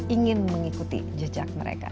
ingin mengikuti jejak mereka